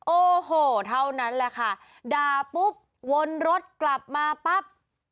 โอ้โหเท่านั้นแหละค่ะด่าปุ๊บวนรถกลับมาปั๊บ